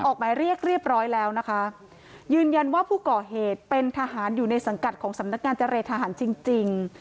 ออกหมายเรียกเรียบร้อยแล้วนะคะยืนยันว่าผู้ก่อเหตุเป็นทหารอยู่ในสังกัดของสำนักงานเจรทหารจริงจริง